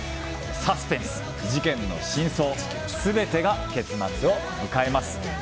サスペンス、事件の真相全てが結末を迎えます。